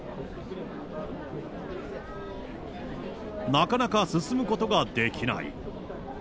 なかなか進むことができない。